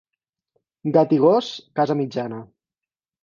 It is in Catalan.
Gat i gos, casa mitjana.